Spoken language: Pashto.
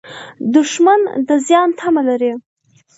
دښمن د زیان تمه لري